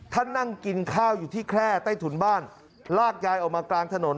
นั่งกินข้าวอยู่ที่แคร่ใต้ถุนบ้านลากยายออกมากลางถนน